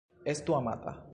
Estu amata.